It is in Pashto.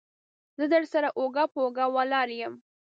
زه درسره اوږه په اوږه ولاړ يم.